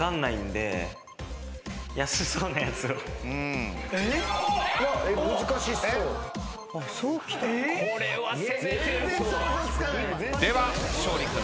では勝利君